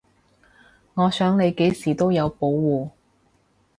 我想你幾時都有保護